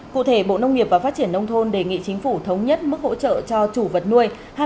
cụ thể bộ nông nghiệp và phát triển nông thôn đề nghị chính phủ thống nhất mức hỗ trợ cho chủ vật nuôi